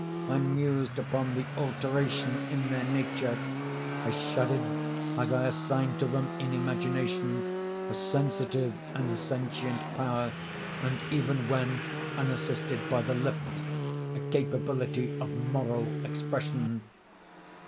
I mused upon the alteration in their nature. I shuddered as I assigned to them in imagination a sensitive and sentient power, and even when unassisted by the lips, a capability of moral expression.